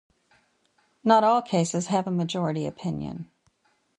Not all cases have a majority opinion.